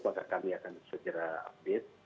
maka kami akan segera update